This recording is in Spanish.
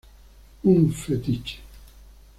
Un fetiche.